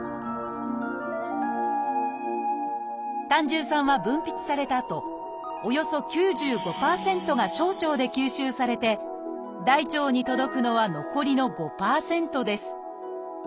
胆汁酸は分泌されたあとおよそ９５％が小腸で吸収されて大腸に届くのは残りの５％です